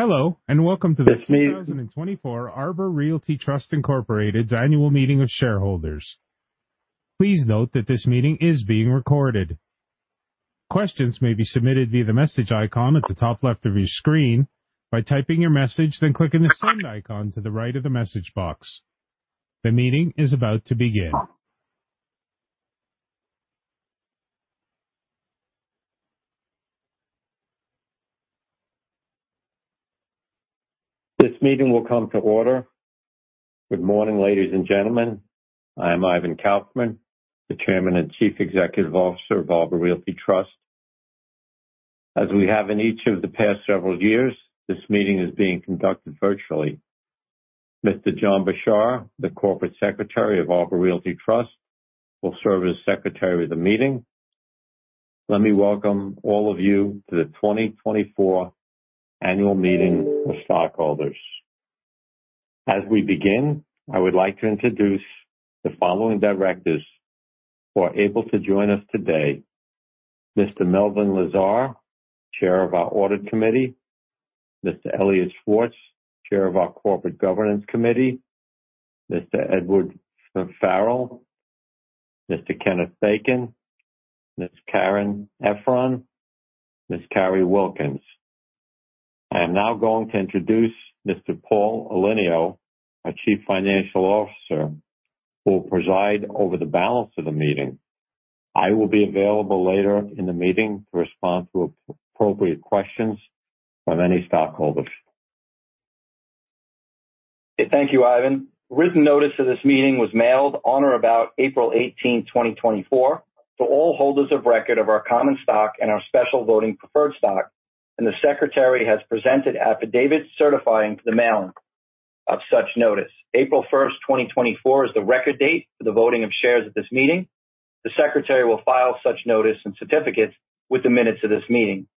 Hello, and welcome to the 2024 Arbor Realty Trust, Inc.'s Annual Meeting of Shareholders. Please note that this meeting is being recorded. Questions may be submitted via the message icon at the top left of your screen by typing your message, then clicking the Send icon to the right of the message box. The meeting is about to begin. This meeting will come to order. Good morning, ladies and gentlemen. I am Ivan Kaufman, the Chairman and Chief Executive Officer of Arbor Realty Trust. As we have in each of the past several years, this meeting is being conducted virtually. Mr. John Bishar, the Corporate Secretary of Arbor Realty Trust, will serve as Secretary of the meeting. Let me welcome all of you to the 2024 Annual Meeting of Stockholders. As we begin, I would like to introduce the following directors who are able to join us today. Mr. Melvin Lazar, Chair of our Audit Committee, Mr. Elliot Schwartz, Chair of our Corporate Governance Committee, Mr. Edward Farrell, Mr. Kenneth Bacon, Ms. Caryn Effron, Ms. Carrie Wilkens. I am now going to introduce Mr. Paul Elenio, our Chief Financial Officer, who will preside over the balance of the meeting. I will be available later in the meeting to respond to appropriate questions from any stockholders. Thank you, Ivan. Written notice of this meeting was mailed on or about April 18, 2024, to all holders of record of our common stock and our special voting preferred stock, and the Secretary has presented affidavits certifying the mailing of such notice. April 1, 2024, is the record date for the voting of shares at this meeting. The Secretary will file such notice and certificates with the minutes of this meeting.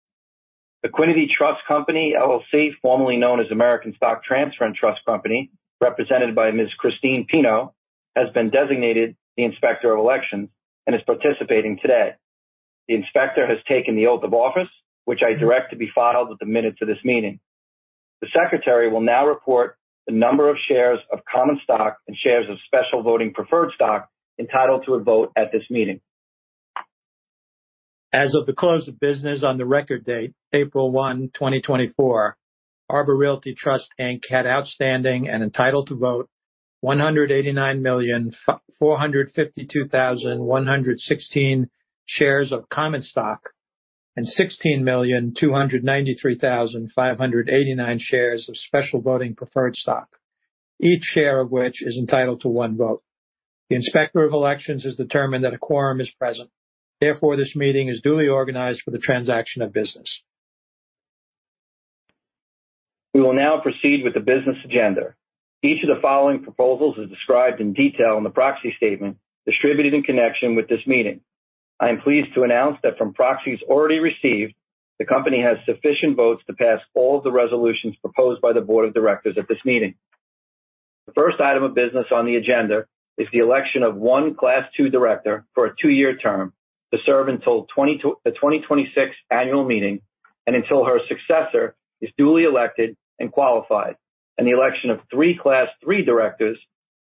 Equiniti Trust Company, LLC, formerly known as American Stock Transfer and Trust Company, represented by Ms. Christine Pino, has been designated the Inspector of Elections and is participating today. The Inspector has taken the oath of office, which I direct to be filed with the minutes of this meeting. The Secretary will now report the number of shares of common stock and shares of special voting preferred stock entitled to a vote at this meeting. As of the close of business on the record date, April 1, 2024, Arbor Realty Trust, Inc. had outstanding and entitled to vote 189,452,116 shares of common stock and 16,293,589 shares of special voting preferred stock, each share of which is entitled to one vote. The Inspector of Elections has determined that a quorum is present. Therefore, this meeting is duly organized for the transaction of business. We will now proceed with the business agenda. Each of the following proposals is described in detail in the proxy statement distributed in connection with this meeting. I am pleased to announce that from proxies already received, the company has sufficient votes to pass all the resolutions proposed by the board of directors at this meeting. The first item of business on the agenda is the election of one Class Two Director for a two-year term to serve until the 2026 annual meeting and until her successor is duly elected and qualified, and the election of three Class Three Directors,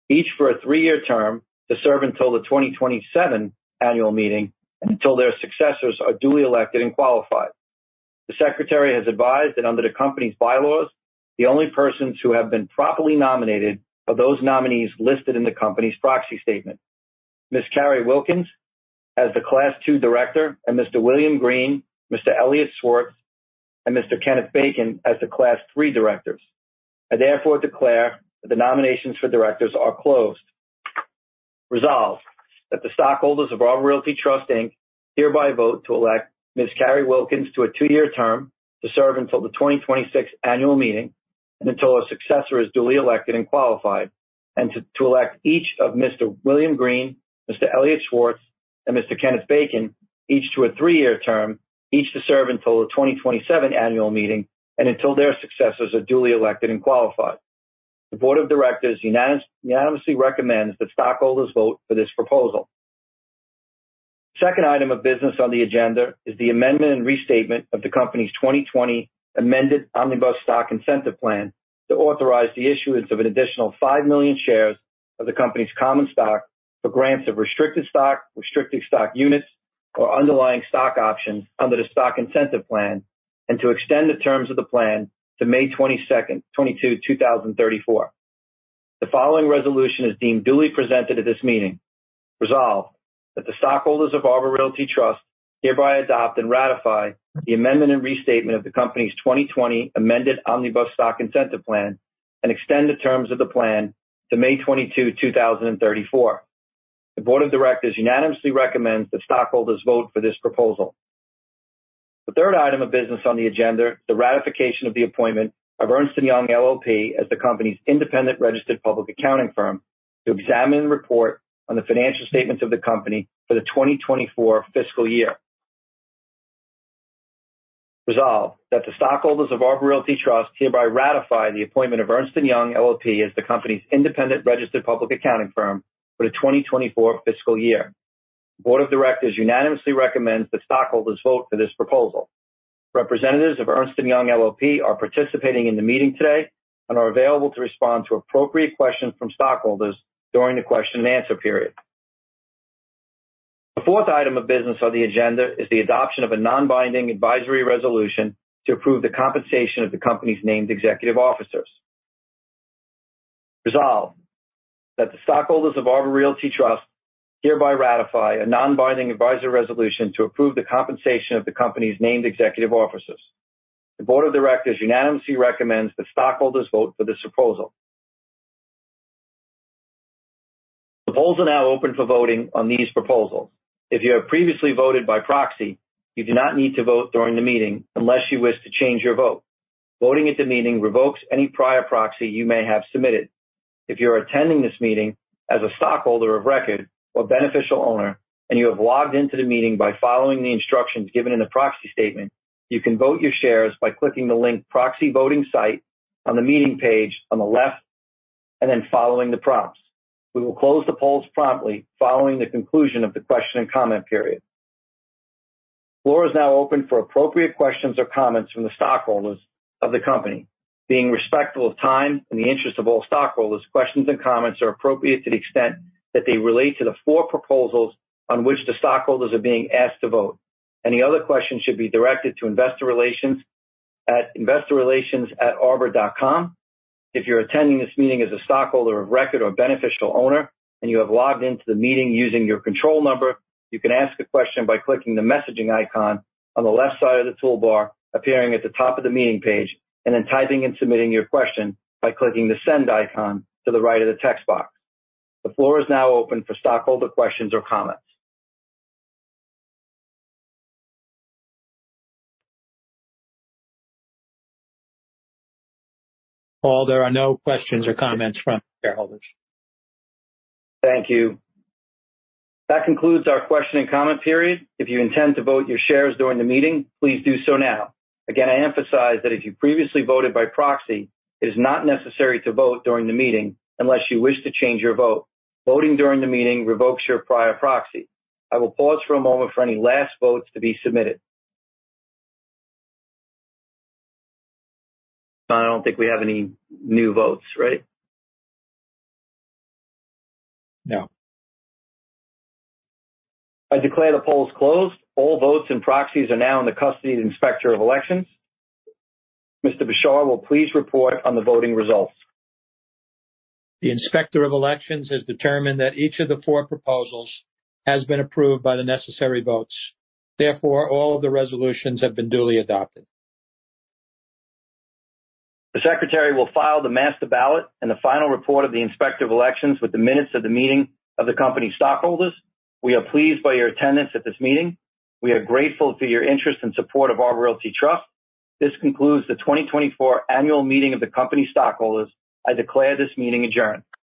each for a three-year term, to serve until the 2027 annual meeting and until their successors are duly elected and qualified. The Secretary has advised that under the company's bylaws, the only persons who have been properly nominated are those nominees listed in the company's proxy statement. Ms. Carrie Wilkens, as the Class Two Director, and Mr. William Green, Mr. Elliot Schwartz, and Mr. Kenneth Bacon as the Class Three directors. I therefore declare that the nominations for directors are closed. Resolved, that the stockholders of Arbor Realty Trust, Inc. hereby vote to elect Ms. Carrie Wilkens to a 2-year term to serve until the 2026 annual meeting and until a successor is duly elected and qualified, and to elect each of Mr. William Green, Mr. Elliot Schwartz, and Mr. Kenneth Bacon, each to a 3-year term, each to serve until the 2027 annual meeting and until their successors are duly elected and qualified. The board of directors unanimously recommends that stockholders vote for this proposal. Second item of business on the agenda is the amendment and restatement of the company's 2020 Amended Omnibus Stock Incentive Plan to authorize the issuance of an additional 5 million shares of the company's common stock for grants of restricted stock, restricted stock units, or underlying stock options under the stock incentive plan, and to extend the terms of the plan to May 22, 2022, 2034. The following resolution is deemed duly presented at this meeting. Resolved, that the stockholders of Arbor Realty Trust hereby adopt and ratify the amendment and restatement of the company's 2020 Amended Omnibus Stock Incentive Plan and extend the terms of the plan to May 22, 2034. The board of directors unanimously recommends that stockholders vote for this proposal. The third item of business on the agenda, the ratification of the appointment of Ernst & Young LLP as the company's independent registered public accounting firm, to examine and report on the financial statements of the company for the 2024 fiscal year. Resolved, that the stockholders of Arbor Realty Trust hereby ratify the appointment of Ernst & Young LLP as the company's independent registered public accounting firm for the 2024 fiscal year. Board of Directors unanimously recommends that stockholders vote for this proposal. Representatives of Ernst & Young LLP are participating in the meeting today and are available to respond to appropriate questions from stockholders during the question and answer period. The fourth item of business on the agenda is the adoption of a non-binding advisory resolution to approve the compensation of the company's named executive officers. Resolved, that the stockholders of Arbor Realty Trust hereby ratify a non-binding advisory resolution to approve the compensation of the company's named executive officers. The board of directors unanimously recommends that stockholders vote for this proposal. The polls are now open for voting on these proposals. If you have previously voted by proxy, you do not need to vote during the meeting unless you wish to change your vote. Voting at the meeting revokes any prior proxy you may have submitted. If you're attending this meeting as a stockholder of record or beneficial owner, and you have logged into the meeting by following the instructions given in the proxy statement, you can vote your shares by clicking the link Proxy Voting Site on the meeting page on the left, and then following the prompts. We will close the polls promptly following the conclusion of the question and comment period. Floor is now open for appropriate questions or comments from the stockholders of the company. Being respectful of time and the interest of all stockholders, questions and comments are appropriate to the extent that they relate to the 4 proposals on which the stockholders are being asked to vote. Any other questions should be directed to investor relations at investorrelations@arbor.com. If you're attending this meeting as a stockholder of record or beneficial owner, and you have logged into the meeting using your control number, you can ask a question by clicking the messaging icon on the left side of the toolbar appearing at the top of the meeting page, and then typing and submitting your question by clicking the send icon to the right of the text box. The floor is now open for stockholder questions or comments. Paul, there are no questions or comments from shareholders. Thank you. That concludes our question and comment period. If you intend to vote your shares during the meeting, please do so now. Again, I emphasize that if you previously voted by proxy, it is not necessary to vote during the meeting unless you wish to change your vote. Voting during the meeting revokes your prior proxy. I will pause for a moment for any last votes to be submitted. I don't think we have any new votes, ready? No. I declare the polls closed. All votes and proxies are now in the custody of the Inspector of Elections. Mr. Bishar will please report on the voting results. The Inspector of Elections has determined that each of the four proposals has been approved by the necessary votes. Therefore, all of the resolutions have been duly adopted. The secretary will file the master ballot and the final report of the Inspector of Elections with the minutes of the meeting of the company's stockholders. We are pleased by your attendance at this meeting. We are grateful for your interest and support of Arbor Realty Trust. This concludes the 2024 annual meeting of the company stockholders. I declare this meeting adjourned.